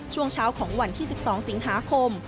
ช่วงเช้าของวันที่๑๒สิงหาคม